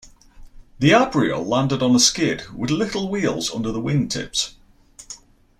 The Abrial landed on a skid, with little wheels under the wing tips.